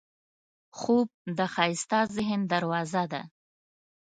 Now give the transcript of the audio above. خوب د ښایسته ذهن دروازه ده